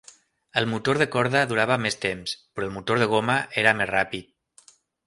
El motor de corda durava més temps, però el motor de goma era més ràpid.